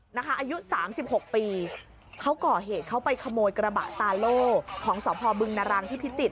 อายุ๓๖ปีเขาก่อเหตุเขาไปขโมยกระบะตาโล่ของสพบึงนรังที่พิจิตร